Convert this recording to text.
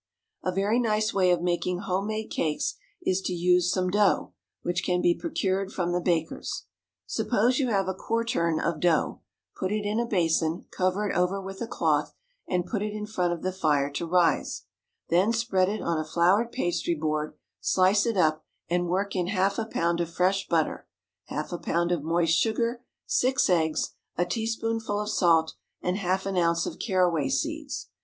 A very nice way of making home made cakes is to use some dough, which can be procured from the baker's. Suppose you have a quartern of dough, put it in a basin, cover it over with a cloth, and put it in front of the fire to rise, then spread it on a floured pastry board, slice it up, and work in half a pound of fresh butter, half a pound of moist sugar, six eggs, a teaspoonful of salt, and half an ounce of caraway seeds.